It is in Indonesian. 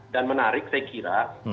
dan menarik saya kira